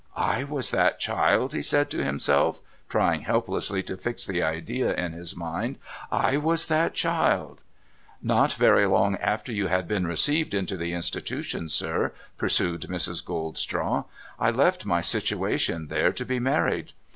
' I was that child !' he said to himself, trying helplessly to fix the idea in his mind. ' I was that child !'' Not very long after you had been received into the Institution, sir,' pursued Mrs. Goldstraw, ' I left my situation there, to be married.